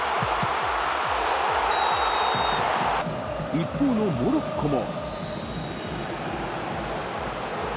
一方のモロッコも。